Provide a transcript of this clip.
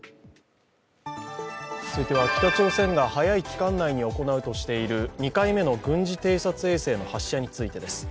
続いては北朝鮮が早い期間内に行うとしている２回目の軍事偵察衛星の発射についです。